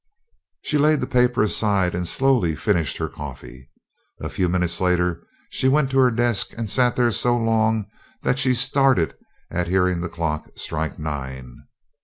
She laid the paper aside and slowly finished her coffee. A few minutes later she went to her desk and sat there so long that she started at hearing the clock strike nine.